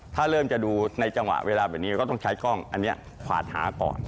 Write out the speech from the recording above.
ถ้าเริ่มจะดูในจังหวะเวลาแบบนี้ก็ต้องใช้กล้องอันนี้ขวาดหาก่อน